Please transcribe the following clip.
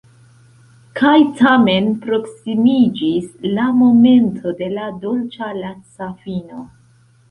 Kaj tamen proksimiĝis la momento de la dolĉa laca fino.